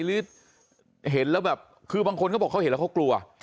หรือเห็นแล้วแบบคือบางคนเขาบอกเขาเห็นแล้วเขากลัว